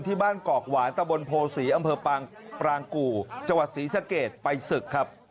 กอกหวานตะบนโพศีอำเภอปรางกู่จังหวัดศรีสะเกดไปศึกครับ